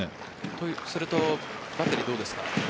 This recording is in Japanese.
とするとバッテリーどうですか？